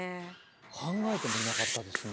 考えてもいなかったですね。